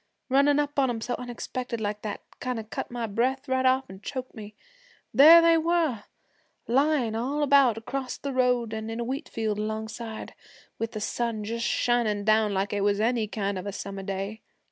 Runnin' up on 'em so unexpected like that, kind of cut my breath right off an' choked me. There they were, layin' all about acrost the road, an' in a wheat field alongside, with the sun just shining down like it was any kind of a summer day.